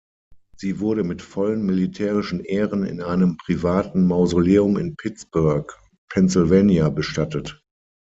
Sie wurde mit vollen militärischen Ehren in einem privaten Mausoleum in Pittsburgh, Pennsylvania bestattet.